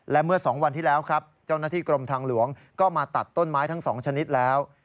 และเมื่อ๒วันที่แล้วครับเจ้าหน้าที่กรมทางหลวงก็มาตัดต้นไม้ทั้ง๒ชนิดแล้ว